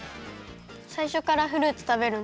さいしょからフルーツたべるんだ。